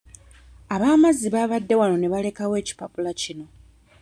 Ab'amazzi babadde wano ne balekawo ekipapula kino.